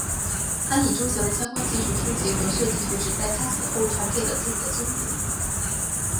安里周祥的相关技术书籍和设计图纸在他死后传给了自己的子孙。